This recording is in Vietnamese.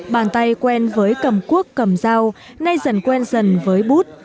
bàn tay quen với cầm cuốc cầm dao nay dần quen dần với bút